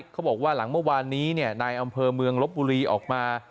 เขาบอกว่าหลังเมื่อวานนี้นายอำเภอเมืองลบบุรีออกมา